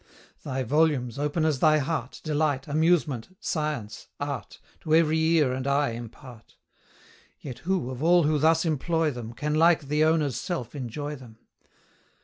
225 Thy volumes, open as thy heart, Delight, amusement, science, art, To every ear and eye impart; Yet who, of all who thus employ them, Can like the owner's self enjoy them?